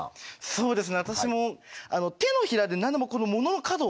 そうです。